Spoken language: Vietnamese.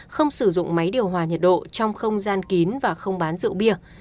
không sử dụng máy điều hòa nhiệt độ trong không gian kín và không bán rượu bia